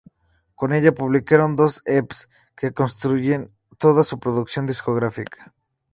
Con ella publicaron dos Ep's que constituyen toda su producción discográfica.